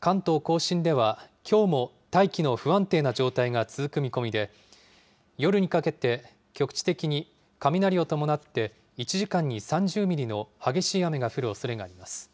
関東甲信ではきょうも大気の不安定な状態が続く見込みで、夜にかけて局地的に雷を伴って１時間に３０ミリの激しい雨が降るおそれがあります。